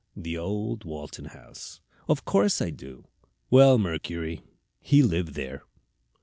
"The old Walton House." "Of course I do." "Well, Mercury, he lived there."